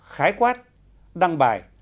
khái quát đăng bài